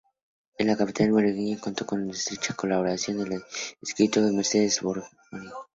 En la capital malagueña contó con la estrecha colaboración de la escritora Mercedes Formica.